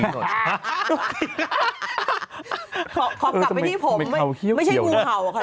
ความจับไปที่ผมไม่ใช่มูเห่าอะคะ